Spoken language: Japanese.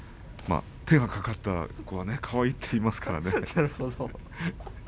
手のかかった子はかわいいと言いますからね。